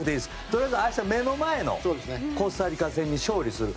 とりあえず明日、目の前のコスタリカ戦に勝利する。